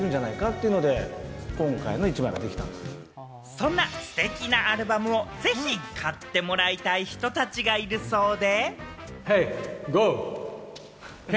そんなステキなアルバムをぜひ買ってもらいたい人たちがいるそうで。